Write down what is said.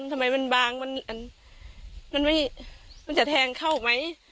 ทำไมมันบางมันจะแทงเข้าไหม